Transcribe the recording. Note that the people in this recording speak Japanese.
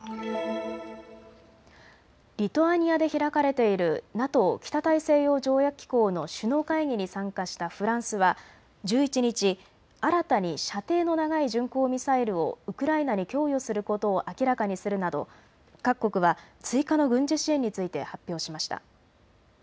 リトアニアで開かれているＮＡＴＯ・北大西洋条約機構の首脳会議に参加したフランスは１１日、新たに射程の長い巡航ミサイルをウクライナに供与することを明らかにするなど各国は追加の軍事支援について発表しました。